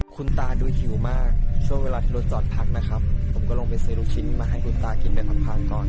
คุณตาดูหิวมากช่วงเวลาที่รถจอดพักนะครับผมก็ลงไปซื้อลูกชิ้นมาให้คุณตากินไปพักก่อน